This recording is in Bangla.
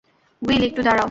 উইল, একটু দাঁড়াও।